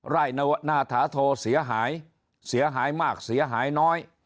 ไร่หน้าถาโทเสียหายเสียหายมากเสียหายน้อย